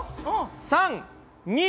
３！２！